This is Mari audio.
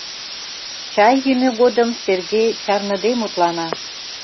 Чай йӱмӧ годым Серге чарныде мутлана: